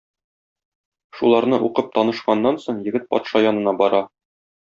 Шуларны укып танышканнан соң, егет патша янына бара.